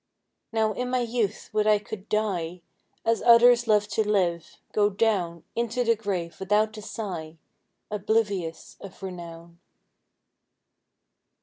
Now in my youth would I could die! As others love to live, go down Into the grave without a sigh, Oblivious of renown!